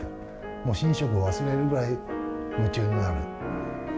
もう寝食を忘れるぐらい夢中になる。